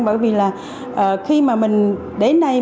bởi vì là khi mà mình đến đây